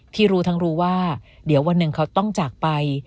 ที่รู้ทั้งรู้ว่าเดี๋ยววันหนึ่งเขาต้องจากไป